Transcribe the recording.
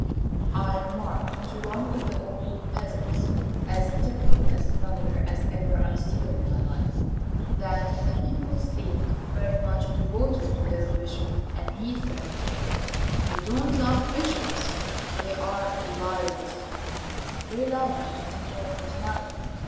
I remarked to one of the old peasants, as typical a smuggler as ever I saw in my life, that the people seemed very much devoted to their bishop, and he said: 'We don't love bishops, they are liars; we love Monsignor Montanelli.